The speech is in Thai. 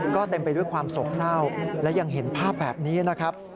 ก็เต็มไปด้วยความโศกเศร้าและยังเห็นภาพแบบนี้นะครับ